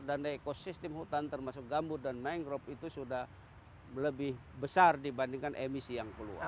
dan ekosistem hutan termasuk gambut dan mangrove itu sudah lebih besar dibandingkan emisi yang keluar